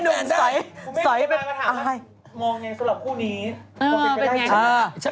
กูไม่นายผมตอนนี้ไปถามจัด